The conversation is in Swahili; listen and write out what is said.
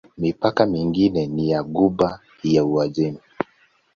Mipaka mingine ni ya Ghuba ya Uajemi.